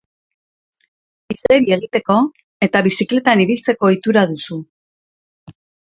Igeri egiteko eta bizikletan ibiltzeko ohitura duzu.